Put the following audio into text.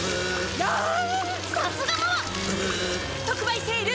特売セール！